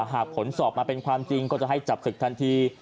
หากผลสอบมาเป็นความจริงก็จะให้จับศึกทันที